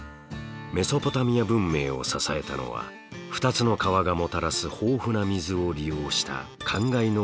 メソポタミア文明を支えたのは２つの川がもたらす豊富な水を利用した灌漑農業です。